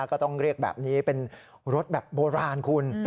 ก็ต้องเรียกแบบนี้เป็นรถแบบโบราณคุณ